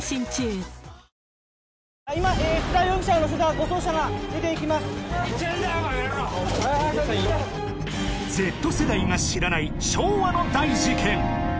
この野郎Ｚ世代が知らない昭和の大事件